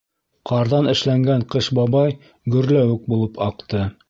Ҡарҙан эшләнгән Ҡыш бабай гөрләүек булып аҡты.